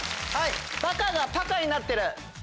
「バカ」が「パカ」になってる！